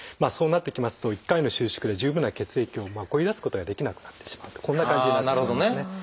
そうなってきますと１回の収縮で十分な血液を送り出すことができなくなってしまってこんな感じになってしまいますね。